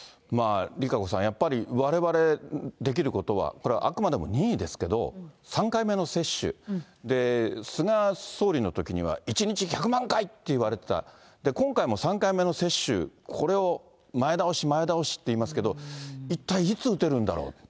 やっぱりわれわれできることは、これはあくまでも任意ですけれども、３回目の接種、菅総理のときには１日１００万回っていわれてた、今回も３回目の接種、これを前倒し、前倒しって言いますけど、一体いつ打てるんだろう。